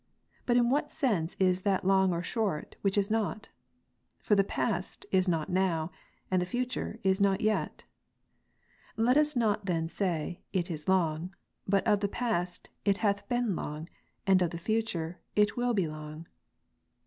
But in what sense is that long or short, which is not ? For the past, is not now ; and the future is not yet. Let us not then say, "it is long;" but of the past, "it hath been long ;" and of the future, " it will be long."